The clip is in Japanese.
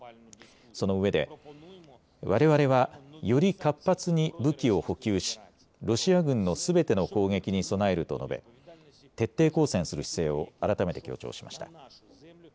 そのうえでわれわれは、より活発に武器を補給しロシア軍のすべての攻撃に備えると述べ、徹底抗戦する姿勢を改めて強調しました。